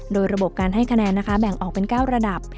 โดยระบบการให้คะแนนนะคะแบ่งออกเป็น๙ระดับ